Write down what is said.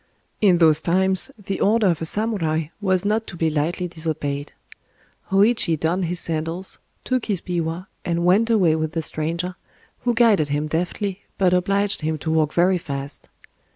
In those times, the order of a samurai was not to be lightly disobeyed. Hōïchi donned his sandals, took his biwa, and went away with the stranger, who guided him deftly, but obliged him to walk very fast.